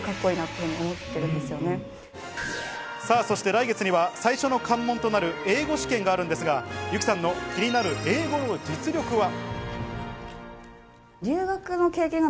来月には最初の関門となる英語試験があるんですが、優貴さんの気になる英語の実力は。